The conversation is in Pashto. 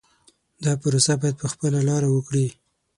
دا پروسه باید په خپله لاره وکړي.